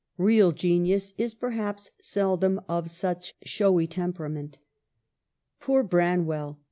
Real genius is perhaps seldom of such showy temperament. Poor Branwell